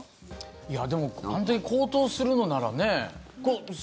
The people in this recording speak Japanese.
いや、でも本当に高騰するのならね。